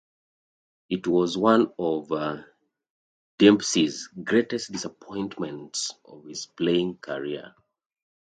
It was one of Dempsey's greatest disappointments of his playing career.